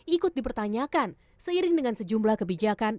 ikut dipertanyakan seiring dengan sejumlah kebijakan